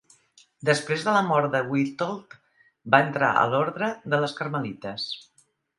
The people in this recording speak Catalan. Després de la mort de Witold, va entrar a l'ordre de les Carmelites.